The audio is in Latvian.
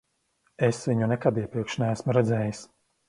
Es viņu nekad iepriekš neesmu redzējis.